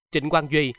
trịnh quang duyên